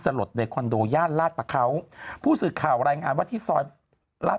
หลดในคอนโดย่านลาดประเขาผู้สื่อข่าวรายงานว่าที่ซอยลาด